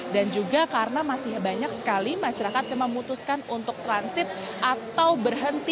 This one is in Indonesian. dan juga karena masih banyak sekali masyarakat yang memutuskan untuk transit atau berhenti